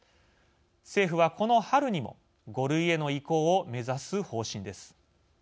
政府は、この春にも５類への移行を目指す方針です。